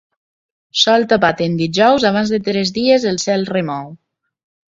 Sol tapat en dijous abans de tres dies el cel remou.